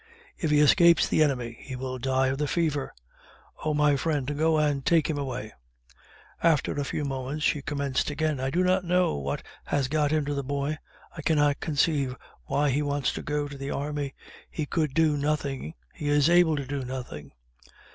If he escapes the enemy he will die of the fever. Oh, my friend, go and take him away." After a few moments, she commenced again "I do not know what has got into the boy I cannot conceive why he wants to go to the army he could do nothing, he is able to do nothing."